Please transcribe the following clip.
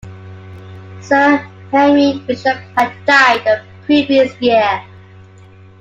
Sir Henry Bishop had died the previous year.